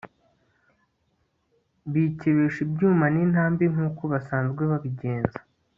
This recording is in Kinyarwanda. bikebesha ibyuma nintambi nkuko basanzwe babigenza